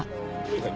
はい。